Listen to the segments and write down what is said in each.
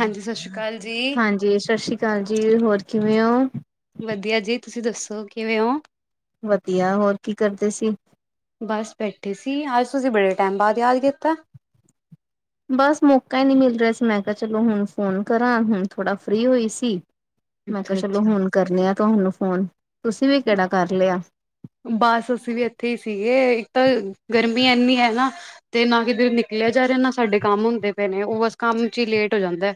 ਹਾਂਜੀ ਸਤਿ ਸ਼੍ਰੀ ਅਕਾਲ। ਜੀ ਹਾਂਜੀ ਸਤਿ ਸ਼੍ਰੀ ਅਕਾਲ ਜੀ ਹੋਰ ਕਿਵੇਂ ਹੋ। ਵਧੀਆ ਜੀ ਤੁਸੀਂ ਦੱਸੋ ਕਿਵੇਂ ਹੋ। ਵਧੀਆ ਹੋਰ ਕੀ ਕਰਦੇ ਸੀ। ਬੱਸ ਬੈਠੇ ਸੀ ਅੱਜ ਤੁਸੀਂ ਬੜੇ ਟੈਮ ਬਾਅਦ ਯਾਦ ਕੀਤਾ। ਬਸ ਮੌਕਾ ਹੀ ਨਹੀਂ ਮਿਲ ਰਿਹਾ ਸੀ ਮੈਂ ਕਿਹਾ ਚਲੋ ਹੁਣ ਫੋਨ ਕਰਾਂ ਹੁਣ ਥੋੜਾ ਫ੍ਰੀ ਹੋਈ ਸੀ। ਮੈਂ ਕਿਹਾ ਅੱਛਾ ਚਲੋ ਅੱਛਾ ਹੁਣ ਕਰਨੇ ਆ ਤੁਹਾਨੂੰ ਫੋਨ ਤੁਸੀਂ ਵੀ ਕਿਹੜਾ ਕਰ ਲਿਆ। ਬਸ ਅਸੀਂ ਵੀ ਇੱਥੇ ਹੀ ਸੀਗੇ ਇੱਕ ਤਾਂ ਗਰਮੀ ਇੰਨੀ ਹੈ ਨਾ। ਤੇ ਨਾ ਕਿੱਧਰੇ ਨਿਕਲਿਆ ਜਾ ਰਿਹਾ ਨਾ ਸਾਡੇ ਕੰਮ ਹੁੰਦੇ ਪਏ ਨੇ ਉਹ ਬਸ ਕੰਮ ਚ ਹੀ ਲੇਟ ਹੋ ਜਾਂਦਾ।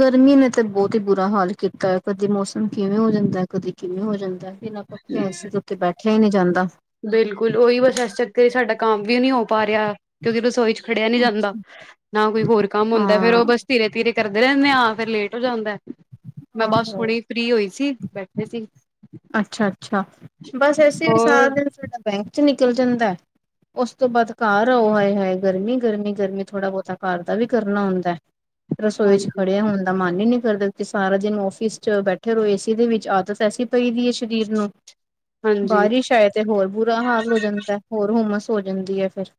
ਗਰਮੀ ਨੇ ਤਾਂ ਬੋਤ ਹੀ ਬੁਰਾ ਹਾਲ ਕੀਤਾ ਹੈ ਕਦੇ ਮੌਸਮ ਕਿਵੇਂ ਹੋ ਜਾਂਦਾ ਹੈ ਕਦੇ ਕਿਵੇਂ ਹੋ ਜਾਂਦਾ ਹੈ। ਬਿਨਾ ਪੱਖੇ ਏਸੀ ਤੋ ਉੱਤੇ ਬੈਠਿਆ ਹੀ ਨਹੀਂ ਜਾਂਦਾ। ਬਿਲਕੁਲ ਓਹੀਓ ਬਸ ਇਸ ਚੱਕਰ ਹੀ ਸਾਡਾ ਕੰਮ ਵੀ ਨਹੀਂ ਹੋ ਪਾ ਰਿਹਾ। ਕਿਉਂਕਿ ਰਸੋਈ ਚ ਖੜਿਆ ਨਹੀਂ ਜਾਂਦਾ ਨਾ ਕੋਈ ਹੋਰ ਕੰਮ ਹੁੰਦਾ ਫੇਰ ਹਾਂ ਉਹ ਬਸ। ਤੀਰੇ ਤੀਰੇ ਕਰਦੇ ਰਹਿੰਦੇ ਹਾਂ ਫੇਰ ਲੇਟ ਹੋ ਜਾਂਦਾ ਮੈਂ ਬਸ ਆਹੋ ਹੁਣੀ ਫ੍ਰੀ ਹੋਈ ਸੀ ਬੈਠੀ। ਅੱਛਾ ਅੱਛਾ ਬਸ ਐਸੇ ਸਾਰਾ ਹੋਰ ਦਿਨ ਸਾਡਾ ਬੈਂਕ ਚ ਨਿਕਲ ਜਾਂਦਾ। ਉਸ ਤੋਂ ਬਾਅਦ ਘਰ ਆਓ ਹਾਏ ਹਾਏ ਗਰਮੀ ਗਰਮੀ ਗਰਮੀ ਥੋੜਾ ਬੋਤਾ ਘਰ ਦਾ ਵੀ ਕਰਨਾ ਹੁੰਦਾ। ਰਸੋਈ ਚ ਹਾਂਜੀ ਖੜਿਆ ਹੁਣ। ਦਾ ਮਨ ਹੀ ਨੀ ਕਰਦਾ ਇਥੇ ਸਾਰਾ ਦਿਨ ਔਫੀਸ ਚ ਬੈਠੇ ਰਹੋ ਏਸੀ ਦੇ ਵਿੱਚ ਆਦਤ ਐਸੀ। ਚਾਹੀਦੀ ਹੈ ਸ਼ਰੀਰ ਨੂੰ ਹਾਂਜੀ ਬਾਰਿਸ਼ ਆਏ। ਤੇ ਹੋਰ ਬੁਰਾ ਹਾਲ ਹੋ ਜਾਂਦਾ ਹੋਰ ਹੁੰਮਸ ਹੋ ਜਾਂਦੀ ਹੈ ਫਿਰ।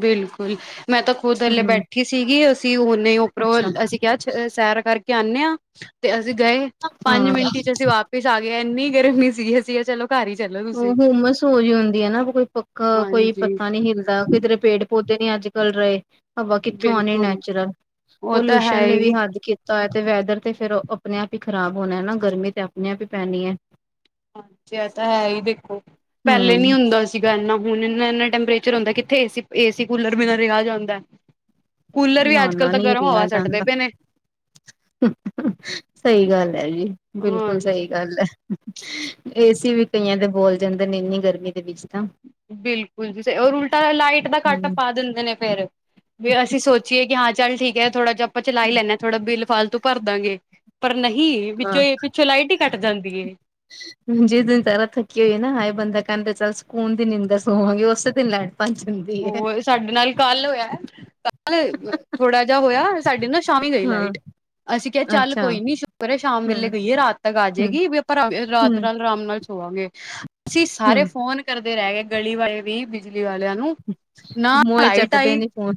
ਬਿਲਕੁਲ ਮੈਂ ਤਾਂ ਖੁਦ ੱਲਲੇ ਹੂੰ। ਬੈਠੀ ਸੀਗੀ ਅਸੀਂ ਨੇ ਉੱਪਰੋਂ ਅੱਛਾ ਅਸੀਂ ਕਿਹਾ ਸੈਰ ਕਰਕੇ ਆਉਂਦੇ ਹਾਂ ਤੇ ਅਸੀਂ ਗਏ ਪੰਜ ਹਾਂ ਮਿੰਟ ਚ ਅਸੀਂ ਵਾਪ ਵਿੱਚ ਆ ਗਿਆ ਇੰਨੀ ਗਰਮੀ ਸੀਗੇ ਸੀਗੇ ਚਲੋ। ਘਰ ਹੀ ਚੱਲੋ। ਉਹ ਹਮ ਸੋ ਜਹੀ ਹੁੰਦੀ ਹੈ ਨਾ ਕੋਈ ਪੱਖਾ ਕੋਈ ਹਾਂਜੀ ਪਤਾ ਨਹੀਂ ਹਿੱਲਦਾ। ਕਿਧਰੇ ਪੇੜ ਪੌਦੇ ਨੀ ਅੱਜ ਕੱਲ ਰਹੇ। ਹਵਾ ਕਿੱਥੋਂ ਆਣੀ ਬਿਲਕੁਲ ਨੈਚੁਰਲ ਉਹ ਤਾਂ ਹੈ ਪੋਲਿਊਸ਼ਨ ਨੇ ਵੀ ਹੀ ਹੱਦ ਕੀਤਾ। ਤਾਂ ਤੇ ਵੈਦਰ ਤੇ ਫੇਿਰ ਆਪਣੇ ਆਪ ਹੀ ਖ਼ਰਾਬ ਹੋਣਾ ਹਨਾ। ਗਰਮੀ ਤੇ ਆਪਣੇ ਆਪ ਹੀ ਪੈਣੀ ਹੈ। ਹਾਂ ਜ ਤਾਂ ਹੈ ਹੀ ਦੇਖੋ' ਪਹਿਲੇ ਹੂੰ। ਨੀ ਹੁੰਦਾ। ਸੀਗਾਨਾ ਹੁਣ ਇੰਨਾ ਇਨਾ ਟੈਂਪਰੇਚਰ ਹੁੰਦਾ ਕਿੱਥੇ ਏਸੀ ਏਸੀ ਕੂਲਰ ਬਿਨਾ ਰਿਹਾ ਜਾਂਦਾ ਹੈ। ਕੂਲਰ ਵੀ ਅੱਜ ਨਾ-ਨਾ ਕਲ੍ਹ ਤਾਂ ਨਹੀਂ ਗਰਮ ਰਿਹਾ ਹਵਾ ਛਟਦੇ ਜਾਂਦਾ। ਪਏ ਨੇ। ਸਹੀ ਗੱਲ ਹੈ' ਜੀ ਬਿਲਕੁਲ ਸਹੀ ਹਾਂਜੀ ਗੱਲ ਹੈ। ਏਸੀ ਵੀ ਕਈਆਂ ਦੇ ਬੋਲ ਜਾਂਦੇ ਨੇ ਇੰਨੀ ਗਰਮੀ ਦੇ ਵਿੱਚ। ਤਾਂ ਬਿਲਕੁਲ ਜੀ 'ਰ ਉਲਟਾ ਲਾਈਟ ਦਾ ਕੱਟ ਹੂੰ ਪਾ ਦਿੰਦੇ ਨੇ ਫੇਿਰ। ਵੀ ਅਸੀਂ ਸੋਚੀਏ ਕਿ ਹਾਂ ਚੱਲ ਠੀਕ ਹੈ ਥੋੜਾ ਜਿਹਾ ਆਪਾਂ ਚਲਾਈ ਲੈਂਦੇ ਹਾਂ ਥੋੜਾ ਬਿਲ ਫਾਲਤੂ ਭਰਦਾਂਗੇ। ਪਰ ਨਹੀਂ' ਵਿੱਚੋਂ ਇਹ ਪਿੱਛੋਂ ਲਾਈਟ ਹੀ ਕੱਟ ਜਾਂਦੀ ਏ। ਹ ਜਿਸ ਦਿਨ ਸਾਰਾ ਥੱਕੀ ਹੋਈਏ ਨਾ ਹਏ ਬੰਦਾ ਕਹਿੰਦਾ ਹ ਚੱਲ ਸਕੂਨ ਦੀ ਨਿੰਂਦਰ ਸੋਵਾਂਗੇ ਉਸੇ ਦਿਨ ਲੈਣ। ਪੰਜ ਹੁੰਦੀ ਹੈ। ਉਹ ਸਾਡੇ ਨਾਲ ਕੱਲ ਹੋਇਆ ਕੱਲ ਥੋੜਾ ਜਿਹਾ ਹੋਇਆ ਸਾਡੇ ਨਾਲ ਸ਼ਾਮੀ ਗਈ ਹਾਂ ਲਾਈਟ। ਅਸੀਂ ਕਿਹਾ ਚੱਲ ਅੱਛਾ ਕੋਈ ਨੀ ਸ਼ੁਕਰਏ ਸ਼ਾਮ ਵੇਲੇ ਗਈਏ ਰਾਤ ਤੱਕ ਆ ਜਾਏਗੀ ਹੂੰ-ਹੂੰ-ਹੂੰ-ਹੂੰ ਵੀ ਆਪਾਂ ਰਾਤ ਨਾਲ ਆਰਾਮ ਨਾਲ ਹੋਵਾਂਗੇ ਅਸੀਂ ਸਾਰੇ ਫੋਨ ਕਰਦੇ ਰਹਿ ਗਏ ਗਲੀ ਵਾਲੇ ਵੀ ਬਿਜਲੀ ਵਾਲਿਆਂ ਨੂੰ ਨਾ ਮੋਏ ਲਾਈਟ ਚੱਕਦੇ ਆਈ ਨੀ ਫੋਨ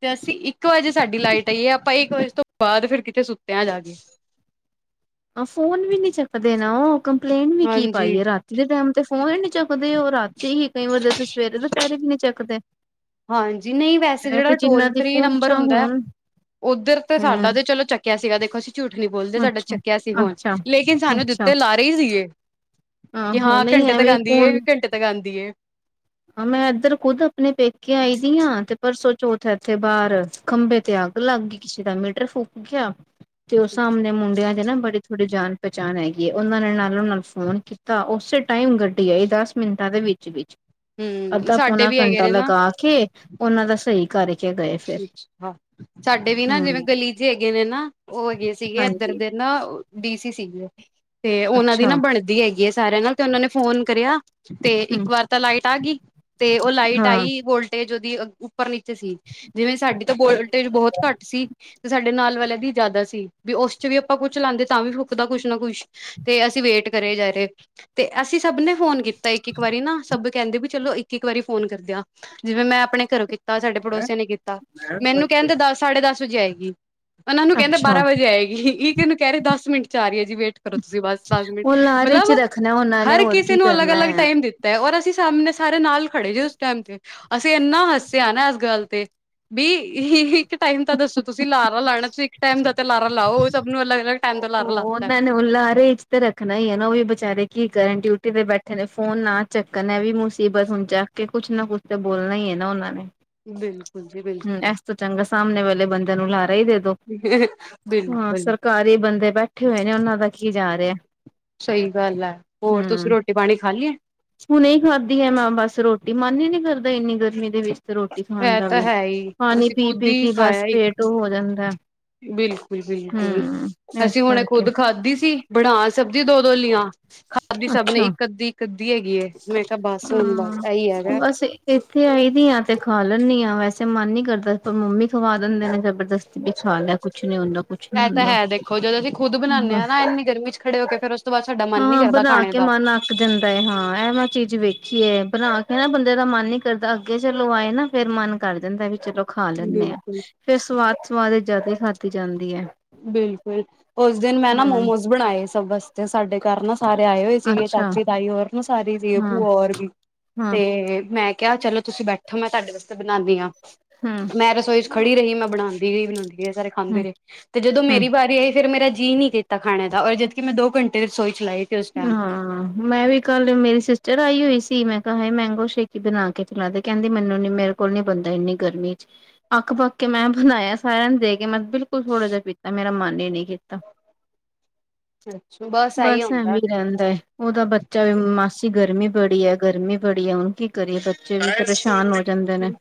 ਤੇ ਅਸੀਂ ਇੱਕ ਵਜੇ ਸਾਡੀ ਲਾਈਟ ਆਈਏ ਆਪਾਂ ਇੱਕ ਵਜੇ ਤੋਂ ਬਾਅਦ ਫਿਰ ਕਿਥੇ ਸੁੱਤਿਆ ਜਾ ਗਏ। ਆ ਫੋਨ ਵੀ ਨੀ ਚੱਕਦੇ ਨਾ ਉਹ ਕੰਪਲੇਂਟ ਵੀ ਕੀ ਹਾਂਜੀ। ਪਾਈ ਰਾਤੀ ਦੇ ਟਾਈਮ ਤੇ ਫੋਨ ਚੱਕਦੇ ਉਹ ਰਾਤੀ ਹੀ ਕਈ ਵਾਰੀ ਉਥੇ ਸਵੇਰੇ ਦੁਪਹਿਰੇ ਵੀ ਨਹੀਂ ਚੱਕਦੇ। ਹਾਂਜੀ ਨਹੀਂ ਵੈਸੇ ਇਹ ਜਿਹੜਾ ਤੇ ਜਿੰਨਾਂ ਟੋਲ ਦੀ ਫ੍ਰਰੀ ਨੰਬਰ ਪਹੁੰਚਾਂ ਹੁੰਦਾ ਹੋਣ ਉੱਧਰ ਤੇ ਹੂੰ ਸਾਡਾ ਤੇ ਚਲੋ ਚੱਕਿਆ ਸੀਗਾ ਦੇਖੋਸੀ। ਝੂਠ ਨੀ ਬੋਲਦੇ ਸਾਡਾ ਅੱਛਾ, ਚੱਕਿਆ ਸੀ ਹੁਣ ਅੱਛਾ। ਲੇਕਿਨ ਸਾਨੂੰ ਅੱਛਾ, ਦਿੱਤੇ ਲਾ ਰਹੇ ਹੀ ਸੀਗੇ। ਕਿ ਆਹੋ ਹਾਂ ਨਹੀਂ ਘੰਟੇ ਤੱਕ ਐਵੇਂ ਆਉਂਦੀ ਹੈ ਕੌਣ ਘੰਟੇ ਤੱਕ ਆਉਂਦੀ ਹੈ। ਹਾਂ ਮੈਂ ਇੱਧਰ ਖੁੱਦ ਆਪਣੇ ਪੇਕੇ ਆਈ ਦੀ ਹਾਂ ਤੇ ਪਰਸੋਂ ਚੌਥ ਇੱਥੇ ਬਾਹਰ ਖੰਬੇ ਤੇ ਅੱਗ ਲੱਗ ਗਈ ਕਿਸੇ ਦਾ ਮੀਟਰ ਫੂਕ ਗਿਆ। ਤੇ ਉਹ ਸਾਹਮਣੇ ਮੁੰਡਿਆਂ ਦੇ ਨਾ ਬੜੇ ਥੋੜੀ ਜਾਣ ਪਹਿਚਾਣ ਹੈਗੀ' ਉਹਨਾਂ ਨੇ ਨਾਲੋਂ ਨਾਲ ਫੋਨ ਕੀਤਾ ਉਸੇ ਟਾਈਮ ਗੱਡੀ ਆਈ ਦੱਸ। ਮਿੰਟਾਂ ਦੇ ਵਿੱਚ ਵਿੱਚ ਹੂੰ ਅੱਧਾ ਸਾਡੇ ਪੌਣਾ ਵੀ ਹੈਗੇ ਘੰਟਾ ਨੇ ਨਾ ਲਗਾ ਕੇ ਉਹਨਾਂ ਦਾ ਸਹੀ ਕਰਰ ਅੱਛਾ ਸਾਡੇ ਵੀ ਨਾ ਜਿਵੇਂ ਹੂੰ ਗਲੀ ਚ ਹੈਗੇ ਨੇ ਨਾ ਉਹ ਹੈਗੇ ਸੀਗੇ ਇੱਧਰ ਹਾਂਜੀ ਦੇ ਨਾ ਡੀ ਸੀ ਸੀਗੇ। ਤੇ ਉਹਨਾਂ ਦੀ ਅੱਛਾ ਨਾ ਬਣਦੀ ਹੈਗੀ ਹੈ ਸਾਰਿਆਂ ਨਾਲ ਤੇ ਉਹਨਾਂ ਨੇ ਫੋਨ ਕਰਿਆ। ਤੇ ਹੂੰ ਇੱਕ ਵਾਰ ਤਾਂ ਲਾਈਟ ਆ ਗਈ ਤੇ ਉਹ ਲਾਈਟ ਆਈ ਹਾਂ ਵੋਲਟ ਵੋਲਟੇਜ ਓਹਦੀ ਉੱਪਰ ਨੀਚੇ ਸੀ। ਜਿਵੇਂ ਸਾਡੀ ਤਾਂ ਬੋਲਟੇ ਬਹੁਤ ਘੱਟ ਸੀ'ਤੇ ਸਾਡੇ ਨਾਲ ਵਾਲਿਆਂ ਦੀ ਜ਼ਿਆਦਾ ਸੀ ਵੀ ਉਸ ਚ ਵੀ ਆਪਾਂ ਕੁਛ ਲਾਦੇ ਤਾਂ ਵੀ ਫੁਕਦਾ ਕੁਛ ਨਾ ਕੁੱਛ'ਤੇ ਅਸੀਂ ਵੇਟ ਕਰੇ ਜਾ ਰਹੇ। ਤੇ ਅਸੀਂ ਸਭ ਨੇ ਫੋਨ ਕੀਤਾ। ਤਾਂ ਇੱਕ-ਇੱਕ ਵਾਰੀ ਨਾ ਸਭ ਕਹਿੰਦੇ ਵੀ ਚਲੋ ਇੱਕ-ਇੱਕ ਵਾਰੀ ਫੋਨ ਕਰਦਿਆ ਜਿਵੇਂ ਮੈਂ ਆਪਣੇ ਘਰੋਂ ਕੀਤਾ ਸਾਡੇ ਪੜੋਸੀਆ ਨੇ ਕੀਤਾ' ਮੈਨੂੰ ਕਹਿੰਦੇ ਦਸ ਸਾਢੇ ਦਸ ਵਜੇ ਆਏਗੀ। ਉਹ ਨੂੰ ਕਹਿੰਦੇ ਅੱਛਾ ਬਾਰਾਂ ਵਜੇ ਆਏਗੀ' ਕਿਹਨੂੰ ਕਹਿ ਰਹੇ ਦਸ ਮਿੰਟ ਚ ਆ ਰਹੀ ਹੈ' ਜੀ ਵੇਟ ਕਰੋ ਤੁਸੀਂ ਬਸ ਦਸ ਮਿੰਟ ਉਹ ਲਾਰੇ ਚ ਮਤਲਬ ਰੱਖਣਾ ਉਹਨਾਂ ਨੇ ਹਰ ਹੋਰ ਕਿਸੇ ਕੀ ਨੂੰ ਕਰਨਾ ਅਲਗ-ਅਲੱਗ ਹੈ ਟਾਈਮ ਦਿੱਤਾ। ਔਰ ਅਸੀਂ ਸਾਹਮਣੇ ਸਾਰੇ ਨਾਲ ਖੜੇ ਜੇ ਉਸ ਟਾਈਮ ਤੇ' ਅਸੀਂ ਇੰਨਾ ਹੱਸਿਆ ਨਾ ਇਸ ਗੱਲ ਤੇ ਵੀ ਇੱਕ ਟਾਈਮ ਤਾਂ ਦੱਸੋ ਤੁਸੀਂ ਲਾਰਾ ਲਾਣਾ ਇੱਕ ਟਾਈਮ ਦਾ ਤੇ ਲਾਰਾ ਲਾਓ' ਸਭ ਨੂੰ ਅਲੱਗ ਅਲੱਗ ਟੈਮ ਦਾ ਲਾਰਾ ਲਾਤਾਂ ਹੈਂ। ਲਾਰੇ ਚ ਤੇ ਰੱਖਣਾ ਹੀ ਹੈ ਨਾ ਉਹ ਵੀ ਬਚਾਰੇ ਕੀ ਕਰਨ ਡਿਊਟੀ ਤੇ ਬੈਠੇ ਨੇ ਫੋਨ ਨਾ ਚੱਕਣ ਐ ਵੀ ਮੁਸੀਬਤ ਹੁਣ ਚੱਕ ਕੇ ਕੁਛ ਨਾ ਕੁਛ ਤਾਂ ਬੋਲਣਾ ਹੀ ਹੈ ਨਾ ਉਹਨਾਂ ਨੇ ਬਿਲਕੁਲ ਜੀ ਹਮ ਬਿਲਕੁਲ, ਇਸ ਚੰਗਾ ਸਾਹਮਣੇ ਵੇਲੇ ਬੰਦਿਆਂ ਨੂੰ ਲਾਰਹਾ ਹੀ ਦੇ ਦੋ, ਹਾਂ ਬਿਲਕੁਲ ਸਰਕਾਰੀ ਬੰਦੇ ਜੇ ਬੈਠੇ ਹੋਏ ਨੇ ਉਹਨਾਂ ਦਾ ਕੀ ਜਾ ਰਿਹਾ, ਸਹੀ ਗੱਲ ਹੈ ਹੋਰ ਤੁਸੀਂ ਹੂੰ। ਰੋਟੀ ਪਾਣੀ ਖਾ ਲਈ ਹੈ ਹੁਣ ਇਹ ਖਾਦੀ ਹੈ ਮੈਂ ਬਸ ਰੋਟੀ ਮਨ ਹੀ ਨੀ ਕਰਦਾ ਇੰਨੀ ਗਰਮੀ ਦੇ ਵਿੱਚ ਤੇ ਰੋਟੀ ਖਣ ਇਹ ਦਾ ਤਾਂ ਵੀ, ਹੈ ਹੀ ਪਾਣੀ ਅਸੀਂ ਪੀ ਖੁਦ ਪੀ ਹੀ ਕੇ ਬਸ ਪੇਟ ਉਹ ਹੋ ਜਾਂਦਾ, ਬਿਲਕੁਲ ਬਿਲਕੁਲ ਹਮ ਇਸ ਅਸੀਂ ਹੁਣ ਕਰਕੇ ਖੁੱਦ ਖਾਧੀ ਸੀ ਬਣਾ ਸਬਜ਼ੀ ਦੁੱਧ ਦੋਲੀਆਂ ਖਾਧੀ ਸਭ ਨੇ ਅੱਛਾ ਇੱਕ ਅੱਧੀ ਇੱਕ ਅੱਧੀ ਹੈਗੀ ਏ, ਮੈਂ ਕਿਹਾ ਬਸ ਹੁਣ ਬਸ ਇਹੀ ਹਾਂ ਹੈਗਾ। ਬਸ ਇੱਥੇ ਆਈ ਦੀ ਆ ਤੇ ਖਾ ਲੈਦੀ ਹਾਂ ਵੈਸੇ ਮਨ ਨੀ ਕਰਦਾ ਪਰ ਮੰਮੀ ਖਵਾ ਦਿੰਦੇ ਨੇ ਜਬਰਦਸਤੀ ਵੀ ਖਾ ਲਿਆ ਕੁਛ ਨੀ ਹੁੰਦਾ ਕੁਛ ਨੀ ਇਹ ਤਾਂ ਹੁੰਦਾ, ਹੈ ਦੇਖੋ ਜਦੋਂ ਅਸੀਂ ਖੁਦ ਬਣਾਉਂਦੇ ਹਾਂ ਬਸ, ਨਾ ਇੰਨੀ ਗਰਮੀ ਚ ਖੜੇ ਹੋ ਕੇ ਫੇਰ ਉਸ ਤੋਂ ਬਾਅਦ ਸਾਡਾ ਮਨ ਨੀ ਹਾਂ ਕਰਦਾ ਬਣਾ ਖਾਣੇ ਕੇ ਦਾ ਮਨ ਆਕ ਜਾਂਦਾ ਏ ਹਾਂ, ਹਾਂ, ਇਹ ਮੈਂ ਚੀਜ਼ ਵੇਖੀਏ ਬਣਾ ਕੇ ਨਾ ਬੰਦੇ ਦਾ ਮਨ ਨੀ ਕਰਦਾ ਅੱਗੇ ਚਲੋ ਆਏ ਨਾ ਫੇਰ ਮਨ ਕਰ ਦਿੰਦਾ ਵੀ ਚਲੋ। ਖਾ ਲੈਂਦੇ ਹਾਂ ਬਿਲਕੁਲ ਫੇਰ ਸਵਾਦ ਸਵਾਦ ਜਿਆਦਾ ਖਾਧੀ ਜਾਂਦੀ ਹੈ। ਬਿਲਕੁਲ ਉਸ ਦਿਨ ਮੈਂ ਨਾ ਹਮ ਮੋਮੋਸ ਬਣਾਏ ਸਭ ਵਾਸਤੇ ਸਾਡੇ ਘਰ ਨਾ, ਸਾਰੇ ਆਏ ਹੋਏ ਸੀਗੇ ਅੱਛਾ ਚਾਚੀ ਤਾਈ ਹੋਰ। ਸਾਰੀ ਦੇ ਹਾਂ ਭੂਆ ਹੋਰ ਵੀ, ਹਾਂ ਤੇ ਮੈਂ ਕਿਹਾ ਚਲੋ, ਤੁਸੀਂ ਬੈਠੋ ਮੈਂ ਤੁਹਾਡੇ ਵਾਸਤੇ ਬਣਾਉਂਦੀ ਹਾਂ, ਹਾਂ ਹਮ ਮੈਂ ਰਸੋਈ ਚ ਖੜੀ ਰਹੀ ਮੈਂ ਬਣਾਉਦੀ ਰਈ ਬਣਾਉਂਦੀ ਗਈ ਸਾਰੇ, ਖਾਂਦੇ ਹਮ ਰਹੇ ਤੇ ਜਦੋਂ ਹਮ ਮੇਰੀ ਵਾਰੀ ਆਈ ਫੇਰ ਮੇਰਾ ਜੀਅ ਨੀ ਕੀਤਾ ਖਾਣੇ ਦਾ ਔਰ ਜਦਕਿ ਮੈਂ ਦੋ ਘੰਟੇ ਰਸੋਈ ਚਲਾਈ, ਹਾਂ। ਮੈਂ ਵੀ ਕੱਲ ਮੇਰੀ ਸਿਸਟਰ ਆਈ ਹੋਈ ਸੀ ਮੈਂ ਕਿਹਾ ਮੈਂਗੋ ਛੇਤੀ ਬਣਾ ਕੇ ਚਲਾਦੇ ਕਹਿੰਦੀ ਮੈਨੂੰ ਨੀ ਮੇਰੇ, ਕੁਝ ਨੀ ਬਣਦਾ ਇੰਨੀ ਗਰਮੀ ਚ ਅੱਖ ਪੱਕ ਕੇ ਮੈਂ ਬਣਾਇਆ ਸਾਰਿਆਂ ਨੂੰ ਦੇਖ ਮੈਂ ਬਿਲਕੁਲ ਥੋੜਾ ਜਿਹਾ ਪੀਤਾ ਮੇਰਾ ਮਨ ਹੀ ਨ ਨਹੀਂ ਕੀਤਾ। ਅੱਛਾ, ਬਸ ਆਈ ਹੁੰਦਾ। ਰਹਿੰਦਾ ਹੈ, ਉਹਦਾ ਬੱਚਾ ਵੀ ਮਾਸੀ ਗਰਮੀ ਬੜੀ ਹੈ ਗਰਮੀ ਬੜੀ ਹੈ ਹੁਣ ਕੀ, ਕਰੀਏ ਬੱਚੇ ਵੀ ਪਰੇਸ਼ਾਨ ਹੋ ਜਾਂਦੇ ਨੇ।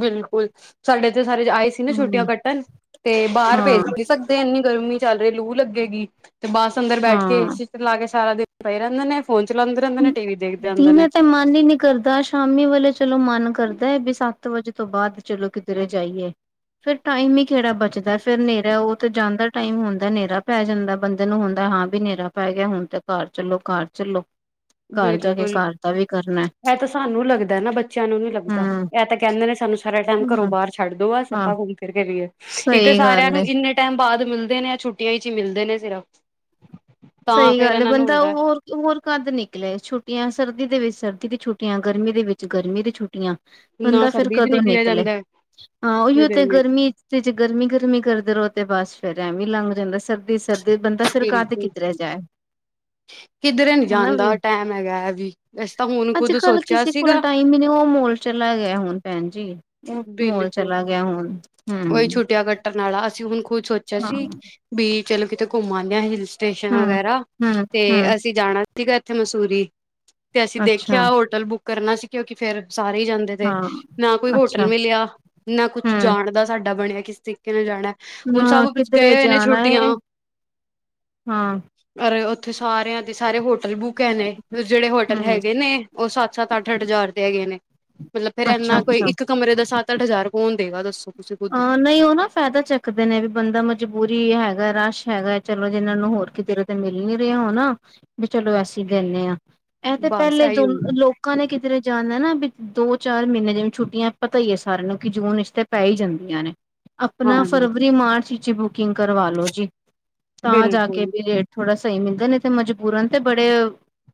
ਬਿਲਕੁਲ ਸਾਡੇ ਤੇ ਸਾਰੇ ਆਏ ਸੀ ਨਾ ਛੁੱਟੀਆਂ ਹਮ ਕੱਟਣ ਤੇ ਬਾਹਰ ਭੇਜ ਹਾਂ ਨੀ ਸਕਦੇ ਤੇ ਇੰਨੀ ਗਰਮੀ ਚੱਲ ਰਹੀ ਲੂ ਲੱਗੇਗੀ, ਤੇ ਬੱਸ ਅੰਦਰ ਬੈਠ ਕੇ, ਹਾਂ ਲਾ ਕੇ ਸਾਰਾ ਦਿਨ ਪਏ ਹੀ ਰਹਿੰਦੇ ਨੇ ਫੋਨ ਚਲੈਦੇ ਰਹਿੰਦੇ ਨੇ। ਟੀ ਵੀ ਦੇਖਦੇ ਰਹਿੰਦੇ ਦੀਨੇ ਨੇ ਤੇ ਮਨ ਹੀ ਨੀ, ਕਰਦਾ ਸ਼ਾਮੀ ਵੇਲੇ ਚਲੋ ਮਨ ਕਰਦਾ ਹੈ ਵੀ ਸੱਤ ਵਜੇ ਤੋਂ ਬਾਅਦ ਚਲੋ ਕਿੱਧਰੇ ਜਾਈਏ। ਫੇਰ ਟਾਈਮ ਹੀ ਕਿਹੜਾ ਬਚਦਾ ਫਿਰ ਹਨੇਰਾ ਉਹ ਤੇ ਜਾਂਦਾ ਟਾਈਮ ਹੁੰਦਾ ਹਨੇਰਾ ਪੈ ਜਾਂਦਾ ਬੰਦੇ ਨੂੰ ਹੁੰਦਾ ਹਾਂ, ਵੀ ਹਨੇਰਾ ਪੈ ਗਿਆ ਹੁਣ ਤੇ ਘਰ ਚੱਲੋ ਘਰ ਚੱਲੋ, ਘਰ ਜਾ ਕੇ ਬਿਲਕੁਲ ਘਰ ਦਾ ਵੀ ਇਹ ਤਾਂ ਸਾਨੂੰ ਲੱਗਦਾ ਨਾ ਬੱਚਿਆਂ ਨੂੰ ਨੀ ਲੱਗਦਾ। ਹਮ ਇਹ ਤਾਂ ਕਹਿੰਦੇ ਨੇ ਸਾਨੂੰ ਸਾਰਾ ਟਾਈਮ ਘਰੋਂ ਹਾਂ ਬਾਹਰ ਛੱਡ ਦੋ ਆ ਹਾਂ ਆਪਾਂ ਘੁੰਮ ਫਿਰ ਕੇ ਵੀਈਏ ਇੱਕ ਤਾਂ ਸਹੀ ਸਾਰਿਆਂ ਗੱਲ ਨੂੰ ਏ ਇੰਨੇ, ਟਾਈਮ ਬਾਅਦ ਮਿਲਦੇ ਨੇ ਜਾਂ ਛੁੱਟੀਆਂ ਚ ਹੀ ਮਿਲਦੇ ਨੇ ਸਿਰਫ, ਤਾਂ ਸਹੀ ਫੇਰ ਗੱਲ ਹੈ, ਇਹਨਾਂ ਨੂੰ ਬੰਦਾ ਉਹ ਹੁੰਦਾ ਹੋਰ ਹੋਰ ਕੱਦ ਨਿਕਲਿਆ ਛੁੱਟੀਆਂ ਸਰਦੀ ਦੇ ਵਿੱਚ ਸਰਦੀ ਦੀ ਛੁੱਟੀਆਂ ਗਰਮੀ ਦੇ ਵਿੱਚ ਗਰਮੀ ਦੀ ਛੁੱਟੀਆਂ। ਨਾ ਬੰਦਾ ਫੇਰ ਸਰਦੀ ਚ ਕਦੋਂ ਨਿਕਲਿਆ ਨਿਕਲੇ ਜਾਂਦਾ ਹਾਂ, ਉਹੀਓ ਤੇ ਗਰਮੀ ਤੇ ਜੇ ਗਰਮੀ ਗਰਮੀ ਕਰਦੇ ਰਹੋ ਤੇ ਬਸ ਫੇਰ ਐਵੇਂ ਲੰਘ ਜਾਂਦਾ ਸਰਦੀ ਸਰਦੀ ਬੰਦਾ ਫੇਰ ਕਾਹਦ ਜਾਏ, ਕਿਧਰੇ ਨੀ ਹਨਾ ਵੀ ਜਾਂਦਾ ਟੈਮ ਹੈਗਾ ਹੈ ਵੀ ਵੈਸੇ ਤਾਂ ਹੁਣ ਅੱਜ ਖੁੱਦ ਕੱਲ ਸੋਚਿਆ ਕਿਸੇ ਕੋਲ ਸੀਗਾ, ਨਹੀਂ ਮੈਨੂੰ ਉਹ ਮੋਲ ਚਲਾ ਗਿਆ ਹੁਣ ਭੈਣ ਜੀ ਉਹ ਮੋਲ ਬਿਲਕੁਲ ਚਲਾ ਗਿਆ ਹੁਣ, ਹੂੰ। ਟਰ ਨਾਲਾ ਅਸੀਂ ਹੁਣ ਖੁਦ ਸੋਚਿਆ ਸੀ ਵੀ ਚਲੋ ਕਿਤੇ ਘੁੰਮਾ ਆਉਦੇ ਹਾਂ ਹਿਲ ਸਟੇਸ਼ਨ ਹਮ ਵਗੈਰਾ, ਹਮ ਹਮ ਤੇ ਅਸੀਂ ਜਾਣਾ ਸੀਗਾ ਇੱਥੇ ਮਸੂਰੀ, ਤੇ ਅਸੀਂ ਅੱਛਾ ਦੇਖਿਆ ਹੋਟਲ ਬੁੱਕ ਕਰਨਾ ਸੀ ਕਿਉਂਕਿ ਫੇਰ ਸਾਰੇ ਹੀ ਜਾਂਦੇ ਤੇ ਹਾਂ ਨਾ ਕੋਈ ਹੋ ਹੋਟਲ ਅੱਛਾ ਮਿਲਿਆ, ਨਾ ਕੁਛ ਹਮ ਜਾਣ ਦਾ ਸਾਡਾ ਬਣਿਆ ਕਿਸ ਤਰੀਕੇ ਨਾਲ ਜਾਣਾ। ਨਾ ਹੁਣ ਸਭ ਕਿਧਰੇ ਗਏ ਹੋਏ ਨੇ ਜਾਣਾ ਛੋਟੀਆਂ, ਹੈ ਹਾਂ ਅਰ ਉੱਥੇ ਸਾਰਿਆਂ ਦੇ ਸਾਰੇ ਹੋਟਲ ਬੁੱਕ ਹੈ ਨੇ ਜਿਹੜੇ ਹੋਟਲ ਹਮ ਹੈਗੇ ਨੇ। ਉਹ ਸੱਤ ਸੱਤ ਅੱਠ ਅੱਠ ਹਜ਼ਾਰ ਤੇ ਹੈਗੇ ਨੇ ਮਤਲਬ ਫਿਰ ਅੱਛਾ ਇੰਨਾ ਅੱਛਾ ਕੋਈ ਕਮਰੇ ਦਾ ਸੱਤ ਅੱਠ ਹਜ਼ਾਰ ਕੌਣ ਦੇਗਾ ਦੱਸੋ ਤੁਸੀਂ ਖੁਦ ਹੀ ਹਾਂ ਨਹੀਂ ਓ ਨਾ ਫਾਇਦਾ ਚੱਕਦੇ ਨੇ ਵੀ ਬੰਦਾ ਮਜਬੂਰੀ ਹੈਗਾ ਰਸ਼ ਹੈਗਾ ਚਲੋ ਜਿਹਨਾਂ ਨੂੰ ਹੋਰ ਕਿਤੇ ਮਿਲ ਨੀ ਰਿਹਾ ਹੋਣਾ ਵੀ ਚਲੋ ਅਸੀਂ ਦੇਨੇ ਹਾਂ ਇਹ ਤੇ ਬਸ ਪਹਿਲੇ ਇਹੀ ਦੋ ਲੋਕ ਹੁੰਦਾ ਲੋਕਾਂ ਨੇ ਕਿਧਰੇ ਜਾਣਾ ਨਾ ਵੀ ਦੋ ਚਾਰ ਮਹੀਨੇ ਜਿਵੇਂ ਛੁੱਟੀਆਂ ਪਤਾ ਹੀ ਹੈ ਸਾਰਿਆਂ ਨੂੰ ਕਿ ਜੂਨ ਚ ਤੇ ਪੈ ਹੀ ਜਾਂਦਾ ਨੇ ਆਪਣਾ ਹਾਂ ਫਰਵਰੀ ਮਾਰਚ ਵਿਚ ਬੁਕਿੰਗ ਕਰਵਾ ਲੋੋ ਜੀ ਤਾਂ ਜਾ ਕੇ ਬਿਲਕੁਲ ਵੀ ਰੇਟ ਥੋੜਾ ਸਹੀ ਮਿਲਦਾ ਨਹੀਂ ਮਜਬੂਰਨ ਤੇ ਬੜੇ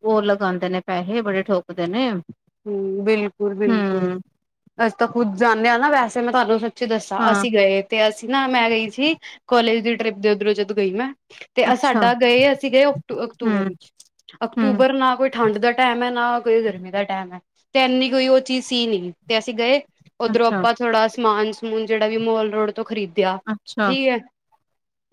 ਉਹ ਲਗਾਉਂਦੇ ਨੇ ਪੈਸੇ ਬੜੇ ਠੋਕਦੇ ਨੇ! ਹੂ ਬਿਲਕੁਲ ਬਿਲਕੁਲ ਹਮ ਅਸੀਂ ਤਾਂ ਖੁਦ ਜਾਂਨੇ ਹਾਂ ਨਾ ਵੈਸੇ ਮੈਂ ਤੁਹਾਨੂੰ ਚ ਦੱਸਾਂ ਹਾਂ ਅਸੀਂ ਗਏ ਤੇ ਅਸੀਂ ਨਾ ਮੈਂ ਗਈ ਸੀ ਕੋਲੇਜ ਦੀ ਟਰਿਪ ਦੇ ਉੱਧਰੋਂ ਜਦੋਂ ਗਈ ਮੈਂ ਤੇ ਅੱਛਾ ਸਾਡਾ ਗਏ ਅਸੀਂ ਗਏ ਅਕਤੂਬਰ ਹਮ ਵਿੱਚ ਹਮ ਅਕਤੂਬਰ ਨਾ ਕੋਈ ਠੰਡ ਦਾ ਟਾਈਮ ਹੈ ਨਾ ਕੋਈ ਗਰਮੀ ਦਾ ਟਾਈਮ ਹੈ ਤੇ ਇੰਨੀ ਕੋਈ ਉਹ ਚੀਜ਼ ਸੀ ਨਹੀਂ ਤੇ ਅਸੀਂ ਗਏ ਉਧਰੋਂ ਅੱਛਾ ਆਪਾਂ ਥੋੜਾ ਸਮਾਨ ਸਮੂਨ ਜਿਹੜਾ ਵੀ ਮੋਲ ਰੋਡ ਤੋਂ ਖਰੀਦਿਆ ਅੱਛਾ ਠੀਕ ਹੈ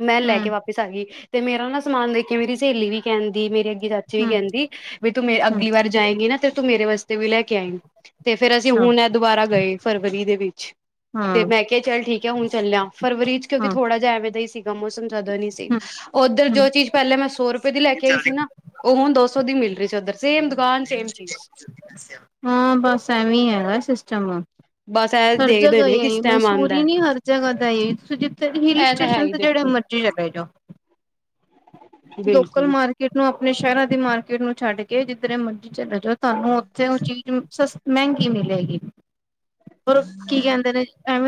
ਮੈਂ ਲੈ ਕੇ ਹਮ ਵਾਪ ਸਗੀ ਤੇ ਮੇਰਾ ਨਾ ਸਮਾਨ ਦੇਖ ਮੇਰੀ ਸਹੇਲੀ ਵੀ ਕਹਿੰਦੀ ਮੇਰੇ ਅੱਗੇ ਰਾਚੀ ਵੀ ਹਮ ਕਹਿੰਦੀ ਵੀ ਤੂੰ ਮੈਂ ਅਗਲੀ ਵਾਰ ਜਾਏਗੀ ਨਾ ਤੇ ਤੂੰ ਮੇਰੇ ਵਾਸਤੇ ਵੀ ਲੈ ਕੇ ਆਈ ਤੇ ਫਿਰ ਅਸੀਂ ਅੱਛਾ ਹੁਣ ਇਹ ਦੁਬਾਰਾ ਗਏ ਫਰਵਰੀ ਦੇ ਵਿੱਚ ਹਾਂ ਤੇ ਮੈਂ ਕਿਹਾ ਚੱਲ ਠੀਕ ਹੈ ਹੁਣ ਚੱਲਿਆ ਫਰਵਰੀ ਚ ਕਿਉਂਕਿ ਹਾਂ ਥੋੜਾ ਜਿਹਾ ਐਵੇਂ ਦਾ ਹੀ ਸੀ। ਮੌਸਮ ਜਿਆਦਾ ਨਹੀਂ ਸੀ ਹੂੰ ਉੱਧਰ ਜੋ ਹੂੰ, ਚੀਜ਼ ਪਹਿਲਾਂ ਮੈਂ ਸੌ ਰੁਪਏ ਦੀ ਲੈ ਕੇ ਆਈ ਸੀ ਨਾ ਉਹ ਹੁਣ ਦੋ ਸੌ ਦੀ ਮਿਲ ਰਹੀ ਸੀ ਉਧਰ ਸੇਮ ਦੁਕਾਨ ਸੇਮ ਚੀਜ਼ ਹਾਂ ਬਸ ਐਵੇਂ ਹੈਗਾ ਸਿਸਟਮ ਬਸ ਇਹ ਹਰ ਜਗਾ ਦੇਖਦੇ ਨੇ ਆਏ ਕਿਸ ਟਾਈਮ ਆਉਂਦਾ ਮਸੂਰੀ ਨੀ ਹਰ ਜਗਾ ਦਾ ਜਿੱਥੇ ਹਿਲ ਇਹ ਤਾਂ ਹੈ ਸਟੇਸ਼ਨ ਹੀ ਜਿਹੜੇ ਦੇਖੋ ਮਰਜ਼ੀ ਜੀ ਹੋ ਬੇਡੋ ਲੋਕਲ ਬਿਲਕੁਲ ਮਾਰਕੀਟ [unintelligible] ਆਪਣੇ ਸ਼ਹਿਰਾਂ ਦੀ ਮਾਰਕੀਟ ਨੂੰ ਛੱਡ ਕੇ ਜਿੱਧਰ ਮਰਜ਼ੀ ਚਲੇ ਜਾਓ ਤੁਹਾਨੂੰ ਉੱਥੇ ਉਹ ਚੀਜ਼ ਸਸਤੀ ਮਹਿੰਗੀ ਮਿਲੇਗੀ! ਹੋਰ ਕੀ ਕਹਿੰਦੇ ਨੇ? ਐਵੇਂ